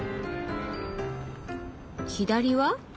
左は？